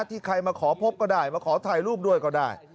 ที่ใครมาขอพบก็ได้มาขอถ่ายรูปด้วยก็ได้